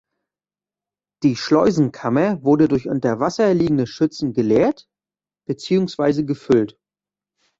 Die Schleusenkammer wurde durch unter Wasser liegende Schützen geleert beziehungsweise gefüllt.